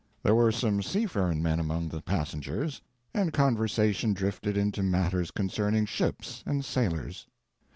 There were some seafaring men among the passengers, and conversation drifted into matters concerning ships and sailors.